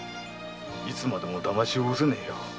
いつまでもだましおうせねえよ。